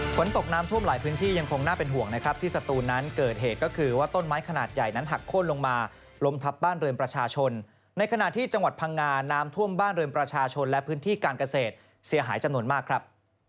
ฝนตกน้ำท่วมหลายพื้นที่ยังคงน่าเป็นห่วงนะครับที่สตูนนั้นเกิดเหตุก็คือว่าต้นไม้ขนาดใหญ่นั้นหักโค้นลงมาล้มทับบ้านเรือนประชาชนในขณะที่จังหวัดพังงาน้ำท่วมบ้านเรือนประชาชนและพื้นที่การเกษตรเสียหายจำนวนมากครับ